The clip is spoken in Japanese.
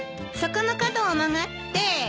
そこの角を曲がって。